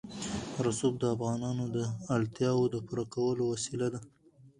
رسوب د افغانانو د اړتیاوو د پوره کولو وسیله ده.